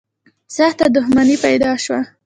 سخته دښمني پیدا شوه